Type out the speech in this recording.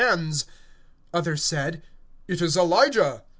(15)Others said: It is Elijah.